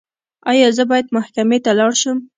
ایا زه باید محکمې ته لاړ شم؟